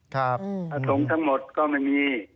พระสงฆ์ทั้งหมดก็ไม่มี